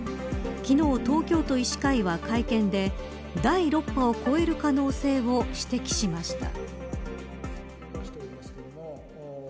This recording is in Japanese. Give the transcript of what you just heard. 昨日、東京都医師会は会見で第６波を超える可能性を指摘しました。